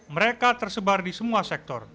mereka tersebar di semua sektor